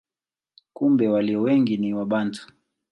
Kumbe walio wengi ni Wabantu.